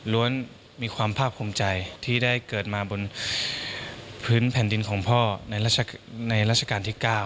มีความภาคภูมิใจที่ได้เกิดมาบนพื้นแผ่นดินของพ่อในราชการที่๙